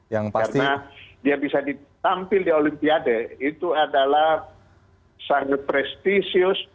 karena dia bisa ditampil di olimpiade itu adalah sangat prestisius